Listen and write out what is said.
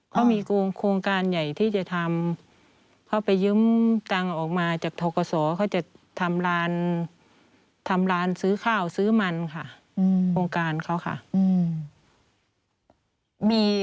เขามีโครงการใหญ่ที่จะทำเขาไปยืมตังค์ออกมาจากทกศเขาจะทำร้านทำร้านซื้อข้าวซื้อมันค่ะโครงการเขาค่ะ